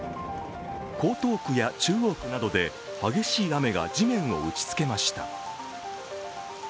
江東区や中央区などで激しい雨が地面を打ちつけました。